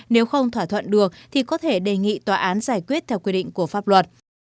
nếu không thỏa thuận được thì có thể đề nghị tòa án giải quyết theo quy định của pháp luật